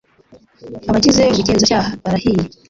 abagize ubugenzacyaha barahiye